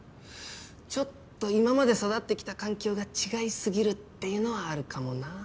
ちょっと今まで育ってきた環境が違いすぎるっていうのはあるかもなぁ。